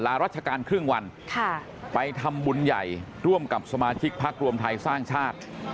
ราชการครึ่งวันไปทำบุญใหญ่ร่วมกับสมาชิกพักรวมไทยสร้างชาติ